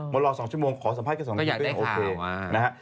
มารอสองชั่วโมงขอสัมภาษณ์แค่สองนาทีก็ยังโอเค